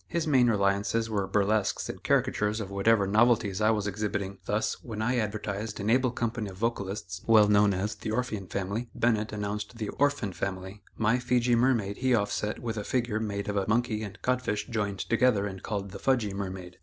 His main reliances were burlesques and caricatures of whatever novelties I was exhibiting; thus, when I advertised an able company of vocalists, well known as the Orphean Family, Bennett announced the "Orphan Family;" my Fejee Mermaid he offset with a figure made of a monkey and codfish joined together and called the "Fudg ee Mermaid."